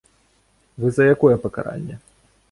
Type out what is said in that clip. Вы за якое пакаранне?